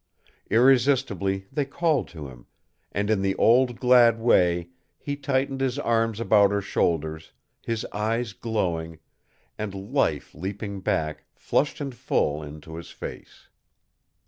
Irresistibly they called to him, and in the old glad way he tightened his arms about her shoulders, his eyes glowing, and life leaping back, flushed and full, into his face.